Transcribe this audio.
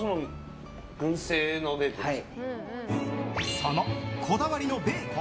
そのこだわりのベーコン。